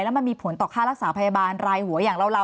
แล้วมันมีผลต่อค่ารักษาพยาบาลรายหัวอย่างเรา